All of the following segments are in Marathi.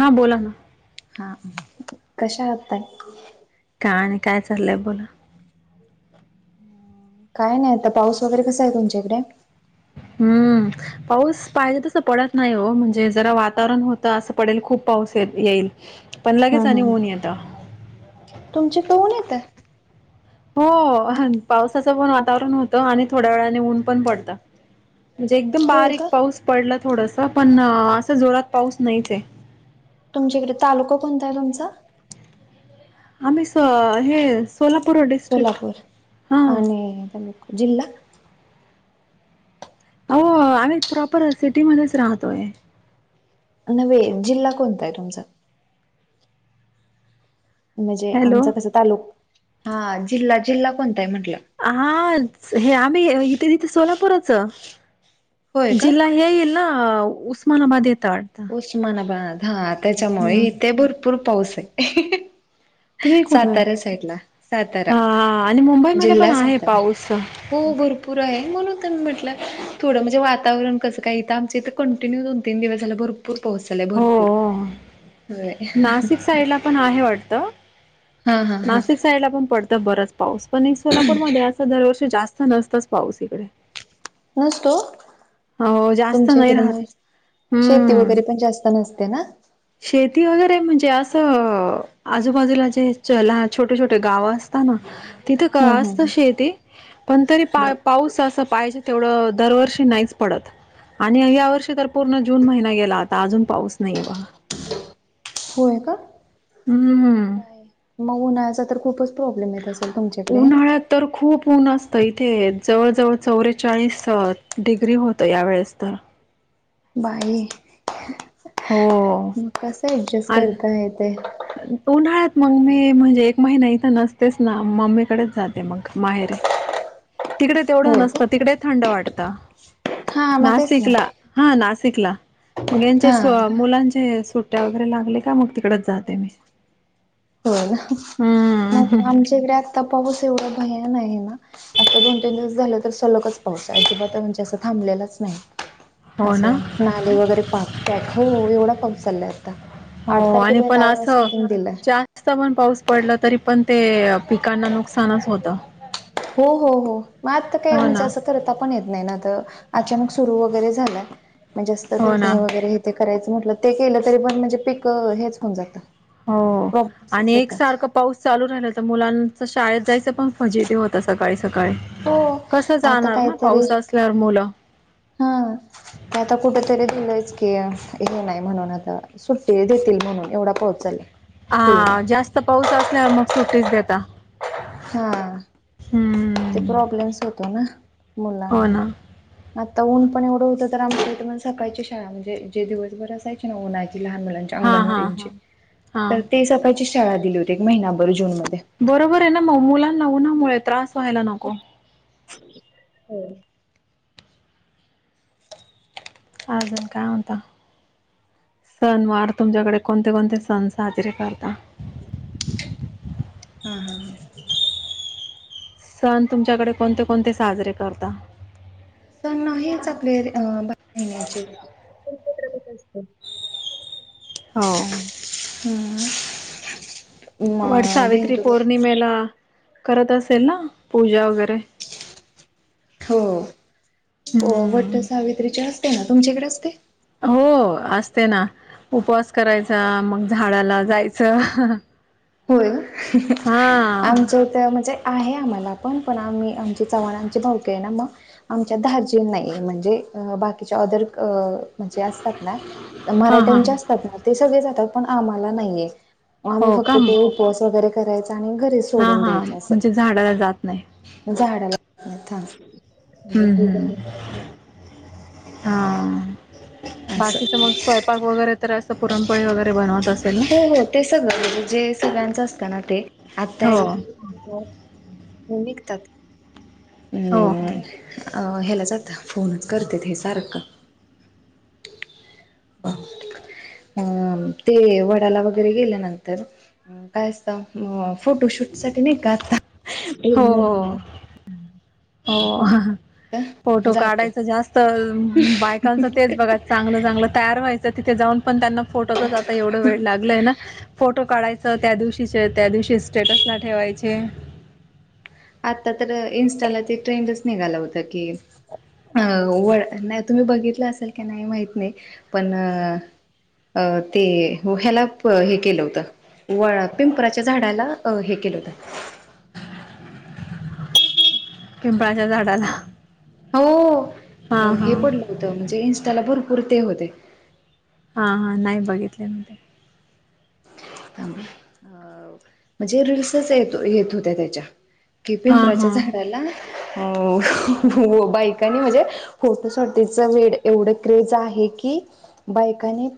हां बोला ना हा कश्या आहात ताई? ह आणि काय चाललंय बोला. काय नाही आता पाऊस वगैरे कसा आहे तुमच्या इकडे? हम्म पाऊस पाहिजे तस पडत नाही हो म्हणजे जरा वातावरण होत असं पडेल खूप पाऊस येईल पण लगेच आणि ऊन येता. तुमचे क ऊन येत? हो पावसाचं पण वातावरण होतं आणि थोड्या वेळाने ऊन पण पडत. म्हणजे एकदम होय बारीक का? पाऊस पडला थोडस पण असं जोरात पाऊस नाहीच आहे. तुमच्याकडे तालुका कोणता आहे तुमचा? आम्ही स हे सोलापूर डिस्ट्रिक. सोलापूर हा आणि तालुका जिल्हा. अ आम्ही प्रॉपर सिटीमध्ये राहतोय न् जिल्हा कोणता आहे तुमचा म्हणजे हॅलो आमच कस तालुक हा जिल्हा जिल्हा कोण हा हे आम्ही इथे तिथे सोलापूरच होय का? जिल ह हेल उस्मानाबाद येत उस्मानाबाद हा त्याच्यामुळे इथे भरपूर पाऊस आहे तुम्ही कुठे आहे? सातारा सईडला सातारा हा आणि मुंबईमध्ये पण जिल्हा आहे सात पाऊस. हो भरपूर आहे म्हणून म्हटलं थोडं म्हणजे वाता कसं काय आम इथ कंटि्य दोन तीन दिवसाला भर हो होय नाशिक साईडला पण आहे वाटत हा हा हा नाशिक साईडला पण पडतं बरच पाऊस पण सोलापूरमध्ये असं दरवर्ष जास्त नसतच पाऊस इकडे नसतो हो जास्त नाही तुमच्याकडे म राहत शेती हम्म. वगैरे पण जास्त नसते ते ना शेती वगैरे म्हणजे असं आजूबाजूला जे लहान छोटे छोटे गाव अस तिथं का हम्म हम्म असत हम्म शेती पण तरी पा पाऊस असं पाहिजे तेवढं दरवर्षी नाहीच पडत आणि या वर्षी तर पूर्ण जून महिना गेला आता अजून पाऊस नाहीे बघ होय का हम्म. मग उन्हाळ्याचा तर खूपच प्रॉब्लेम येत असेल तुमच्याकडे आहे ना? उन्हाळ्यात तर खूप उऊन्हा असत तर इथे जवळ जवळ चौवेचाळीस डिग्री होत यावेेळेस तर बाई हो मग कसं ऍडजस्ट आ करता येतय उन्हाळ्या मग मी म्हणजे एक महिना इथं नसतेच ना मम्मीकडेच जाते मग माहेरे तिकडे तेवढं होय का? नसतं तिकडे थंड वाटतं हा मग तेच ना नाशिकला हा नाशिकला मग हा यांच्या मुलांचे सुट्ट्या वगैरे लागले का मग त हो हम्म नाहीतर आमच्याकडे आत्ता पा एवढा भयान आहे ना आजता दोन तीन दिवस झाले तर सलगच पाऊस अजिबात असं थांबलेलाच नाही हो ना असं नाले वगैरे पाक पॅक हो एवढा पाक चाललाय आता आठ हो आणि पण तारखेपर्यंत असं समथिंग दिलंय जास्त पण पाऊस पडलं तरी पण ते पिकांना नुकसानच होतं हो हो हो मग आजता काय हो म्हणजे ना असं करता पण येत नाही ना तर अचानक सुरू वगैरे झालं म्हणजे असत हो ना टोकणी वगैरे हे ते करायचं म्हटलं ते केलं तरी पण म्हणजे पिक हेच होऊन जातं हो आणि प्रॉब्लेम्सच एक येतात सारखं पाऊस चालू राहिला तर मुलांच शाळेत जायचं पण म्हजे होता सकाळी सकाळी हो कसं आता जाणार ना काहीतरी पाऊस असल्यावर मुलं हा आता कुठ तरी दिलायच हे नाही म्हणून आता सुट्टी देतील म्हणून एवढा पोहोचालला हा जास्त पाऊस असल्यावर मग सुट्टीच देता हा ते हम्म. प्रॉब्लेम्स होतो ना हो मुलांना ना. आता ऊन पण एवढं होतं तर आमच्याण सकाळची शाळा म्हणजे जे दिवसभर असायची ना उन्हायची लह मुलांच्या हां, हां, अणवाची हां. तर हां. ते सकाळची शाळा दिली होती एक महिभर जून म बरोबर आहे ना मग मुलांना उ्हामुळे त्रास व्हायला नको होम् आजन काय उता सनवार तुमच्याकडे कोणते कोणते सण साजरे करता हा हा हा सण तुमच्याकडे कोणते कोणते साजरे करता सर नाहीच आपले ब महिन्याचे त्रेत असत हो हम् वर सावित्री पौर्णिमेला करत असेल ना पूजा वगैरे हो वट हम्म. सावित्रीचे असते ना तुमच्याकडे असते हो असते ना उपवास करायचा मग झाडाला जायचं होय हां. आमचंथ म्हणजे आहे आम्हाला पण आम्ही आम चव्हा भावक ना मग आमच्या दज नाहीे म्हणजे बाकीच्या म्हण असतात ना हां, हां. मराठ्यांचे असतात ना ते सगळे जातात पण आम्हाला नाहीये आम्ही हो फक्त का? ते उपवास वगैरे करायच आणि घरी हा सोडून हा द्यायचं म्हणजे झाडाला जात नाही असं झाडाला अथ हम्म म्हज हम्म हा असं बाकीच मग स्वयंपाक वगैरे तर असं पुरणपळी वगरे बनवतात हो हो ते सगळं म्हणजे जे सगळ्यांचं असतं ना ते आत्ता हो विकतात हो हम्म अ ह्याला जात फोनच करते हे सारखं ह अ ते वडाला वगैरे गेल्यानंतर काय असत फोटोशूट सग नाही काता हो झा हो फोटो जातो काढायचा जास्त बायकांच तेच बघा चांगलं चांगलं तयार व्हायचं तिथे जाऊन पण त्यांना फोटोचाच आता एवढं वेळ लागलय ना फोटो काढायच स त्या दिवशीचे त्या दिवशी स्टेटस ला ठेवायचे आता तर इनस्टाला ते ट्रेंडच निघाला होता की अ व नाही तुम्ही बघितलं असेल की नाही माहत नाही पण अ ते ह्याला हे केलं होतं व पिंपराच्या झाडाला हे केलं होतं पिंपळाच्या झाडाला हो हा हा हे पडलं होतं म्हणजे इन्स्टाला भरपूर ते होते हा हा नाही बघितले म ां अ म्हणजे रीलल्सच य येत होत्या त्याच्या की हा पिंपराच्या हा झाडाला अ बायकनी म्हणजे फोटो शॉटीच वेळ एवढं क्रेज आहे बायकांनी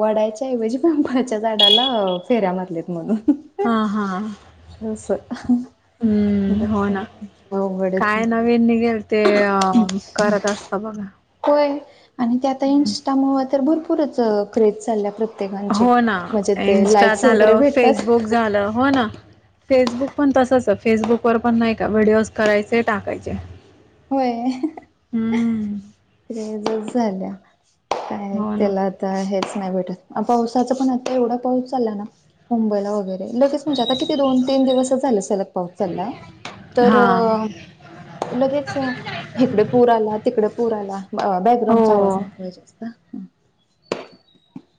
वडाच्या ऐवजी पिंपळाच्या झाडा फेऱ्या मारल्या म्हणून हा हा अस हम्म ब हो ना अवघडच आहे काय नवीन निघेल ते अ करत असतात बघा त्यात इन्स्टा असल्यामुळे तर अजूनच क्रेजी चालल्यात हो ना इं्स्टा वगैरे झालं भेटतात फेसबुक झालं हो ना हो ना इन्स्ट्रा झालं फेसबुक झालं हो ना फेसबुक पण तसच फेसबुक वर पण नाही का व्हिडिओज करायचे टाकायचे होय हम्म. क्रेजच झाल्या काय हो ना. त्याला आता हेच नाही भेटतग पावसाचा पण आता एवढा पाऊस चालला ना मुंबईला वगैरे लगेच म्हणजे आ कि दोन तीन दिवस झा सलग पाऊस चाललाय तर हां. लगेच इिकडे पूर आला तिकडे पूर आला हो. बॅकग्राउंडचा आवाज नको या्याच्या का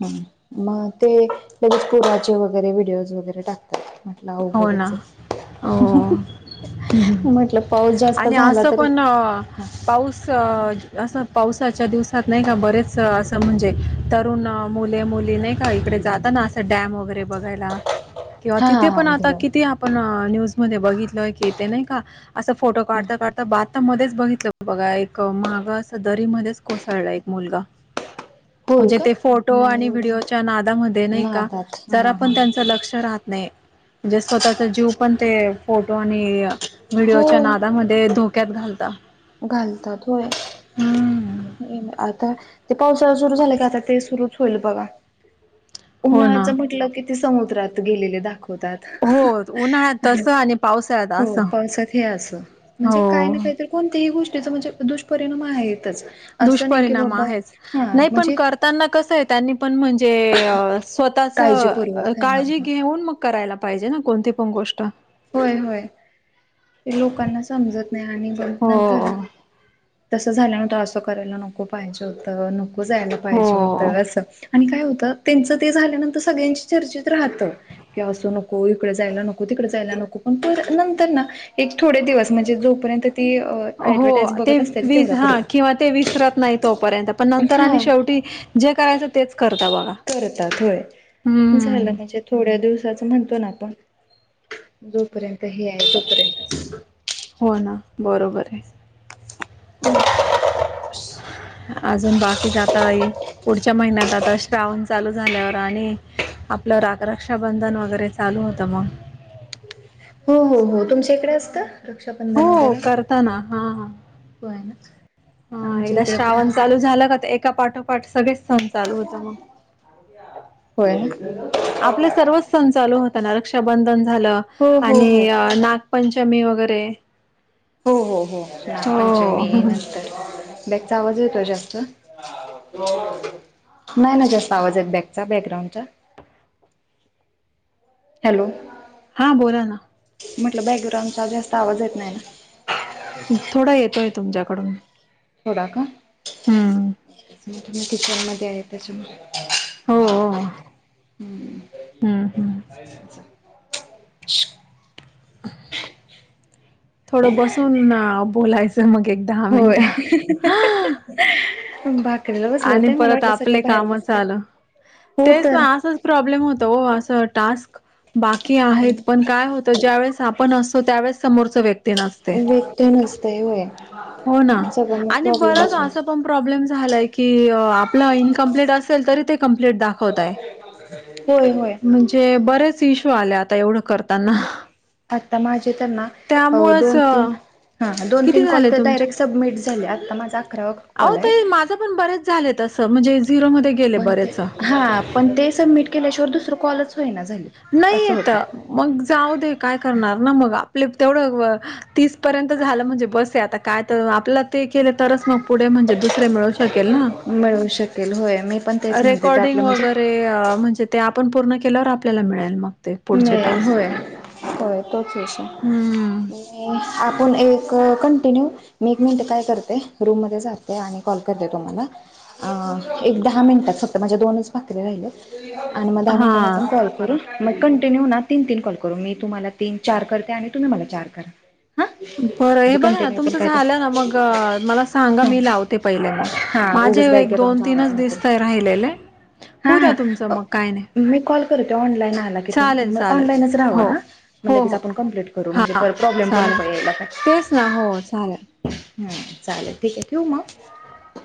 ह मग ते लगेच पुराचे वगैरे व्हिडिओज वगैरे टाकतात ना हो ना. अवघडचे हो. हह म्हटलं पाऊस जास्त झाला तर अअ पाऊस सस.. असच पावसाच्या दिवसात नाही का बरेच असं म्हणजे तरुण मुले मुली नाही का इकड.. जाता ना असं डॅम वगैरे बघायला किंवा हा तिथे अ पण अ.. आता किती आपण न्यूज म बघितलय की येते नाही का अस फोटो काढता काढता बात आता मध्येच बघितलं बघा एक माग अस दरी मध्येच कोसळला एक मुलगा होय म्हणजे का ते फोटो नाही आणि एवढं व्हिडिओच्या नादामध्ये नाही का नादात जर हा हा पण त्यांच लक्ष राहात. नाही म्हणजे स्वतःचा जीव पण ते फोटो आणि हो व्हिडिओच्या नादामध्ये धोक्यात घालता घालतात होय हम्म आता ते पावसाळा सुरू झाला का आता ते सुरुच होईल बघा हो ना उन्हाळचं म्हटलं कि ते समुद्रात गेलेले दाखवतात हो उन्हाळ्यात तस आणि पाऊसात हो पावसात हे असं म्हणजे काय ना हो काहीत कोणतही गोष्टीत त्याचं म्हणजे दुष्परिणाम आहे आहेतच असं नाही की दुष्परिणाम बाबा आहेचं हा नाही पण म्हणजे करताना कस आहे त्यांनी पण म्हणजे ते अ स्वतःच काळजीपूर्वक हा काळजी हा घेऊन मग करायला पाहिजे ना कोणती पण गोष्ट होय होय ' ' ते लोकांना समजत नाही आणि हो नंतर तसं झाल्या नव्हतं असं करायला नको पाहिजे होतं नको जायला पाहिजे हो होतं असं आणि काय होतं त्यांचं ते झाल्यानंतर सगळ्यांशी चर्चेत राहतं कि असो नको इकडे जायला नको तिकडेच नाहीं न्हाय नकॊ मग पण थोडेनंतरण ऐक थोडे दिवस म्हणजे जोपर्यंत. ती अ हो ऍडव्हर्टाईज अ ते बघत असतील वि तेवढ्या ज हा पुरतं किंवा ते विसरत नाही तोपर्यंत पण नंतर आणि हा शेवटी जे करायचं तेच करता बघा करतात होय झालं हम्म. म्हणजे थोड्या दिवसाच म्हण पणआप्पा जोपर्यंत हे आहे तोपर्यंतचं हो ना, बरोबर आहे धुदडुम धुन फुस अजून बाकी जाता आहेत पुढच्या महिन्यात आता श्रवण चालू झाल्यावर आणि आप.. आपलं रं रा रक्षाबंधन वगैरे चालू होतं मग हो अहो हो तुमच्या इकडे असतं रक्षाबंधन हो वगैरे करता हो आहे हा एकदा श्रावण चालू झालं का एका पाठोपाठ सण चालू होता मग ह होय ना आपले सर्वच सण चालू होत रक्षाबंधन झालं हो हो आणि हो नागपंचमी वगैरे हो हो हो नागपंचमी हो. नंतरन बॅगचा आवाज येतोयं जास्त नाही नाही जास्त आवाज येत बॅगचा बॅकग्राउडचा ' ' हॅलो हा बोला ना म्हटलं बॅकग्राउंडचा जास्त आवाज येत नाही ना थोडा येतोय तुमच्याकडून थोडा का? हां मी किचन मध्ये आहे त्याच्यामुळे हो हा हो होय हम्म हम्म शू.. थोडं बसून बोलायचं मग एक दहा होय मिनटं अहं.. भाकरीला बसले आणि होते मला परत वाटलं सगळे आपले बाहेर कामच बसते आलं नाही हो तेच ना तर असंच प्रॉब्लेम होत हो असं टास्क बाकी आहेत पण काय होतं ज्यावेळेस आपण असतो त्यावेळेस समोरच व्यक्ती नसते वेट तेन असतंय होय हो ना सगळ्यांना आणि बच प्रॉब्लेमच अस पण प्रॉब्लेम झा की आपलं इनकमप्ट असेल तरी ते कमप्लीट दाखवतय होो हो इशू आल्या आता एवढं करताना आता माझे तर ना त्यामुळेच दोन तीन हा दोन किती तीन कॉल झाले तर तुमचे? डायरेक्ट सबमिट झाले आता माझा अकरावा अहो कॉल आहे ताई माझं पण बरेच झाले तसं म्हणजे झिरोमध्ये गेले पण ते बरेच. हा पण ते सबमिट केल्याशिवाय दुसरं कॉलच होई ना नाही येत मग जाऊ दे काय करणार ना मग आप तेवढं तीस पर्यंत झालं म्हणजे बस आहे आता काय तर आपलं ते केले तरच मग पुढे म्हणजे दुसरे मिळू शकेल ना मिळू शकेल होय मी पण तेच म्हणते रेकॉर्डिंग त्यातलं म्हणजे वगैरे म्हणजे ते आपण पूर्ण केल्यावर आपल्याला मिळेल मग ते पुढचे टास्क हय तोच यश हम्म आपण एक कण ी क त दहा मिनिटात फक्त माझ्या दोनच भाकरी राहिले आणि मग दहा मिनिटांनी हा आपण कॉल करून मग कं ्य तीन तीन कॉल करून मी तम तन चार करते आणि तुम्ही मला चार क बरं हे बघा ना तुमचं झालं ना मग मला सांगा मी लावते पहिले मग हा माझे उगच एक दोन तीनच दिस ते राहिलेले होऊ द्या हाा तुमचं मग काय नाही. मी कॉल करते ऑनलाईन आला कि चालेल, मग चालेल. ऑनलाईनच राहा हो. हा म्हण हो, लगेच हो. आपण कं्प्लीट करू म्हणजे हां, प्रॉब्लेम पण चालेल. होत बा तेच ना. हो, चालेल. हम्म चालेल ठीक आहे ठेव मग